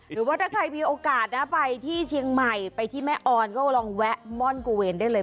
หรือว่าถ้าใครมีโอกาสนะไปที่เชียงใหม่ไปที่แม่ออนก็ลองแวะม่อนโกเวนได้เลย